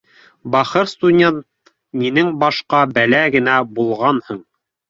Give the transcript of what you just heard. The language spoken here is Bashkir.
Бахыр студент, минең башҡа бәлә генә булғанһың